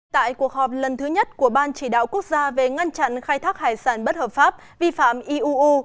tại cuộc họp lần thứ nhất của ban chỉ đạo quốc gia về ngăn chặn khai thác hải sản bất hợp pháp vi phạm iuu